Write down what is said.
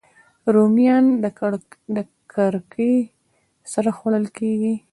رومیان د ککرې سره خوړل کېږي